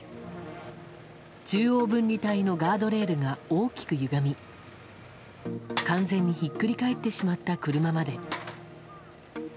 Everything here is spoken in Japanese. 中央分離帯のガードレールが大きくゆがみ完全にひっくり返ってしまった車まで。